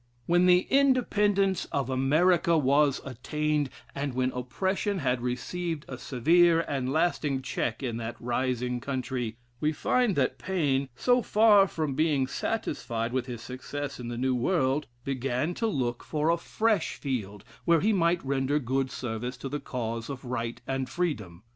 When the Independence of America was attained, and when oppression had received a severe and lasting check in that rising country, we find that Paine, so far from being satisfied with his success in the New World, began to look for a fresh field where he might render good service to the cause of right and freedom.